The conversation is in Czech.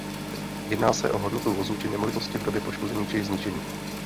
Jedná se hodnotu vozu či nemovitosti v době poškození či zničení.